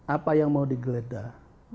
apa yang mau digeledah